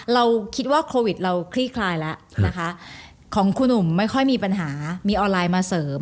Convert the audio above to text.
เราคิดว่าโควิดเราคลี่คลายแล้วนะคะของครูหนุ่มไม่ค่อยมีปัญหามีออนไลน์มาเสริม